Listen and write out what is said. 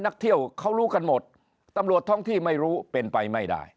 นักเที่ยวเขารู้กันหมดตำรวจท้องที่ไม่รู้เป็นไปไม่ได้